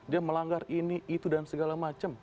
dia melanggar ini itu dan segala macam